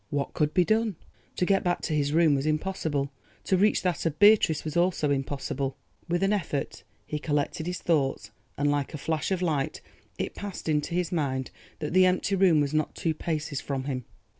What could be done? To get back to his room was impossible—to reach that of Beatrice was also impossible. With an effort he collected his thoughts, and like a flash of light it passed into his mind that the empty room was not two paces from him.